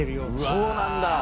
そうなんだ。